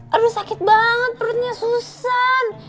aduh sakit banget perutnya susan